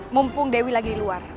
mumpung dewi lagi luar